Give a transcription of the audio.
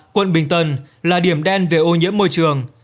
quận bình tân là điểm đen về ô nhiễm môi trường